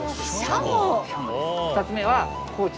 ２つ目は。